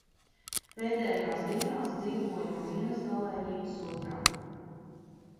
Pēdējās dienās dzīvoju no vienas galējības otrā.